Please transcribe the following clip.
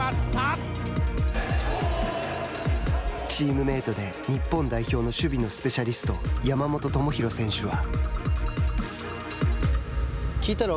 チームメートで日本代表の守備のスペシャリスト山本智大選手は。